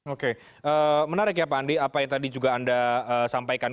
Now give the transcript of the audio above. oke menarik ya pak andi apa yang tadi juga anda sampaikan